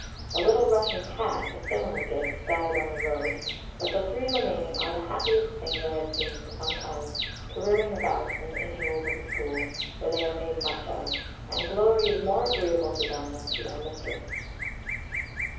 A little Russian cat, a similar gift, died on the road; but the three remaining are the happiest things I have seen for some time, careering about in the intervals of school, where they are made much of, and 'glory' is more agreeable to them than to their mistress!"